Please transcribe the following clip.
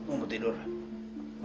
udah tidur sana